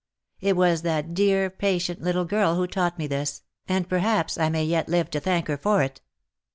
It was that dear patient little girl who taught me this, and perhaps I may yet live to thank her for it."